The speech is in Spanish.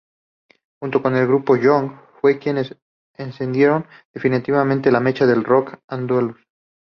Junto con el grupo Gong, fueron quienes "encendieron definitivamente la mecha del rock andaluz".